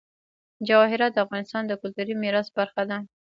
جواهرات د افغانستان د کلتوري میراث برخه ده.